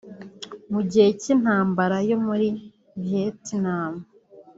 Mu gihe cy’intambara yo muri Vietnam